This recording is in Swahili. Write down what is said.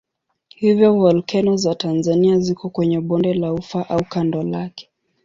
Hivyo volkeno za Tanzania ziko kwenye bonde la Ufa au kando lake.